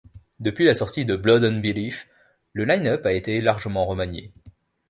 Depuis la sortie de Blood & Belief, le line-up a été largement remanié.